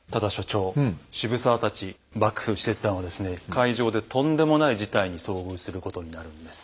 会場でとんでもない事態に遭遇することになるんです。